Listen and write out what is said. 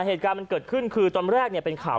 เหตุการณ์มันเกิดขึ้นคือตอนแรกเนี่ยเป็นข่าว